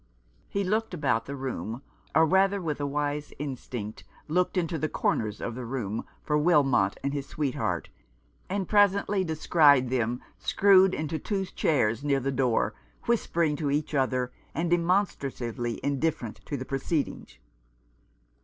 He looked about the room — or rather with a wise instinct looked into the corners of the room for Wilmot and his sweetheart, and presently des cried them screwed into two chairs near the door, whispering to each other, and demonstratively indifferent to the proceedings.